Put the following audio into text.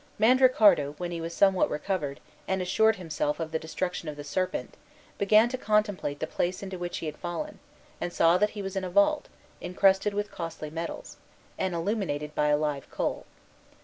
Mandricardo, when he was somewhat recovered, and assured himself of the destruction of the serpent, began to contemplate the place into which he had fallen, and saw that he was in a vault, incrusted with costly metals, and illuminated by a live coal.